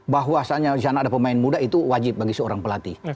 bahwasannya di sana ada pemain muda itu wajib bagi seorang pelatih